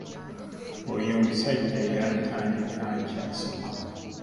Oyo omusajja yantandika nkyasoma.